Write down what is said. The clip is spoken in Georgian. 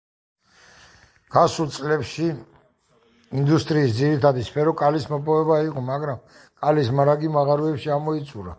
გასულ წლებში, ინდუსტრიის ძირითადი სფერო კალის მოპოვება იყო, მაგრამ კალის მარაგი მაღაროებში ამოიწურა.